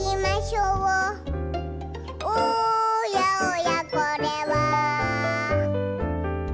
「おやおやこれは」